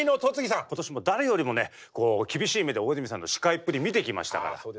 今年も誰よりもね厳しい目で大泉さんの司会っぷり見てきましたから。